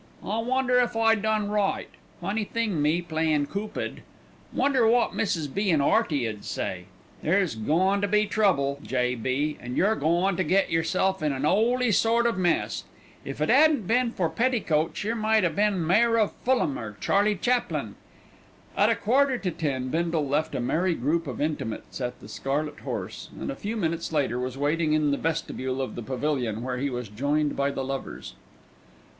"I wonder if I done right. Funny thing me playin' Coopid. Wonder wot Mrs. B. and 'Earty 'ud say. There's goin' to be trouble, J. B., and you're a goin' to get yerself in an 'oly sort o' mess. If it 'adn't been for petticoats yer might a' been Mayor of Fulham or Charlie Chaplin." At a quarter to ten Bindle left a merry group of intimates at the Scarlet Horse, and a few minutes later was waiting in the vestibule of the Pavilion, where he was joined by the lovers.